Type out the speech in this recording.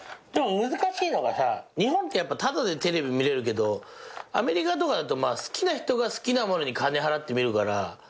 でも難しいのがさ日本ってタダでテレビ見れるけどアメリカとかだと好きな人が好きなものに金払って見るから。